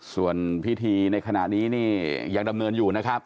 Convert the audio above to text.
ส่วนพิธีในขณะนี้นี่ยังดำเนินอยู่นะครับ